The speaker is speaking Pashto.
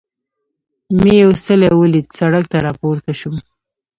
مې یو څلی ولید، سړک ته را پورته شوم.